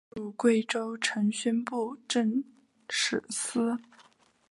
属贵州承宣布政使司。